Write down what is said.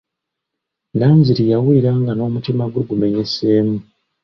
Nanziri yawulira nga n'omutima gwe gumenyeseemu.